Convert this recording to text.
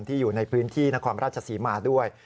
อยู่ในพื้นที่นครราชศรีมาด้วย